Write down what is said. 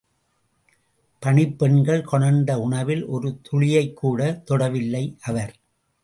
பணிப்பெண்கள் கொணர்ந்த உணவில் ஒரு துளியைக் கூட தொடவில்லை அவர்.